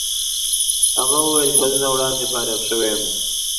هغه وویل کلونه وړاندې فارغ شوی یم.